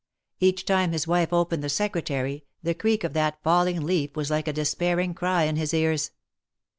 Each time his wife opened the Secretary, the creak of that falling leaf was like a despairing cry in his ears.